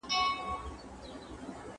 ¬ لاري ډېري دي، خو د مړو لار يوه ده.